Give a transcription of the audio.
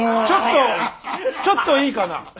ちょっとちょっといいかな。